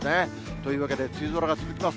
というわけで梅雨空が続きます。